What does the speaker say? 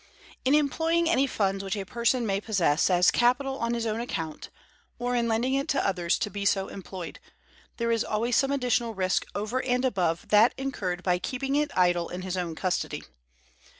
In employing any funds which a person may possess as capital on his own account, or in lending it to others to be so employed, there is always some additional risk over and above that incurred by keeping it idle in his own custody.